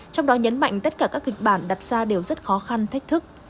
trong đó nhấn mạnh tất cả các kịch bản đặt ra đều rất khó khăn thách thức